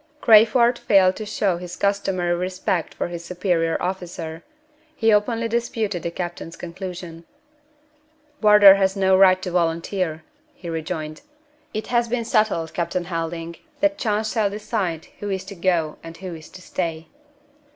Crayford failed to show his customary respect for his superior officer. He openly disputed the captain's conclusion. "Wardour has no right to volunteer," he rejoined. "It has been settled, Captain Helding, that chance shall decide who is to go and who is to stay."